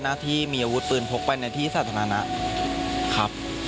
หน้าที่มีอาวุธปืนพกไปในที่สาธารณะครับ